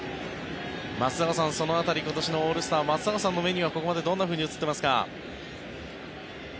松坂さん、その辺り今年のオールスター松坂さんの目には、ここまでどんなふうに映っていますか？